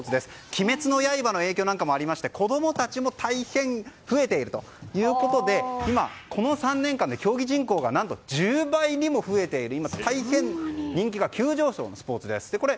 「鬼滅の刃」の影響もありまして子供たちもたいへん増えているということで今、この３年間で競技人口が何と１０倍にも増えている今、大変人気が急上昇のスポーツです。